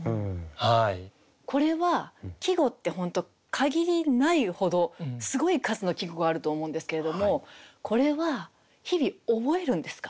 限りないほどすごい数の季語があると思うんですけれどもこれは日々覚えるんですか？